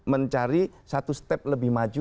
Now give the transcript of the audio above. kita harus mencari satu step lebih maju